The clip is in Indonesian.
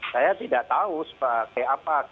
saya tidak tahu seperti apa